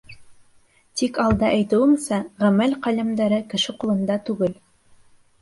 Тик алда әйтеүемсә, ғәмәл ҡәләмдәре кеше ҡулында түгел.